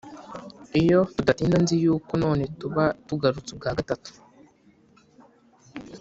Iyo tudatinda nzi yuko none tuba tugarutse ubwa gatatu